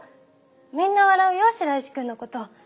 みんな笑うよ白石君のこと。